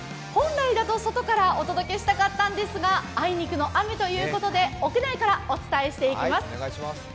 本来だと外からお伝えしたかったんですが、あいにくの雨ということで屋内からお伝えしていきます。